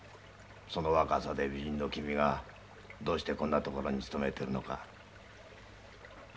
その若さで美人の君がどうしてこんな所に勤めてるのか。